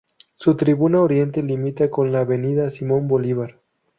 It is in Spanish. Su tribuna oriente limita con la avenida Simón Bolívar.